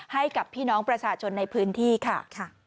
ให้กับพี่น้องประชาชนในพื้นที่ค่ะ